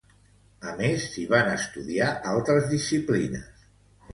A més, s'hi van estudiar altres disciplines.